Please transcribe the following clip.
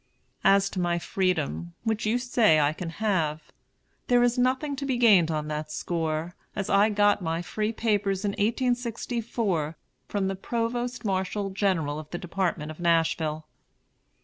As to my freedom, which you say I can have, there is nothing to be gained on that score, as I got my free papers in 1864 from the Provost Marshal General of the Department of Nashville.